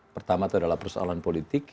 pertama adalah persoalan politik